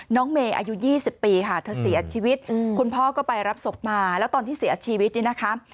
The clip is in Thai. น้องเมย์อายุ๒๐ปีค่ะเธอเสียชีวิตคุณพ่อก็ไปรับศพมาแล้วตอนที่เสียชีวิตเนี่ยนะคะ